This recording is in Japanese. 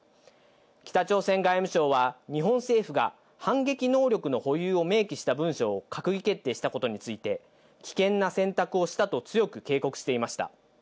北朝鮮外務省は、日本政府が反撃能力の保有を明記した文書を閣議決定したことについて、危険な選択をしたと強く警告していました。